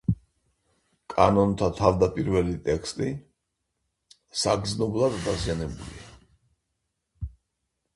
კანონთა თავდაპირველი ტექსტი საგრძნობლად დაზიანებულია.